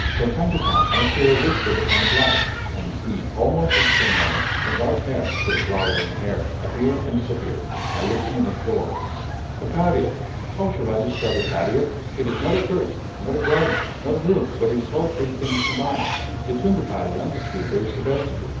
From time to time I hear a whisper behind a blind, and see, almost at the same moment, a dark head, with a flower in the hair, appear and disappear. I look in at a door.... A patio! How shall I describe a patio? It is not a court, nor a garden, nor a room; but it is all three things combined. Between the patio and the street there is a vestibule.